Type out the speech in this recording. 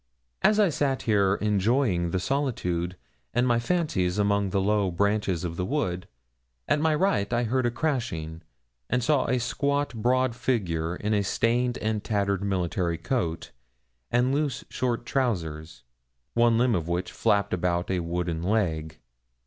As I sat here enjoying the solitude and my fancies among the low branches of the wood, at my right I heard a crashing, and saw a squat broad figure in a stained and tattered military coat, and loose short trousers, one limb of which flapped about a wooden leg.